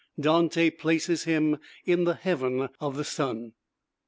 Dante places him in the Heaven of the Sun.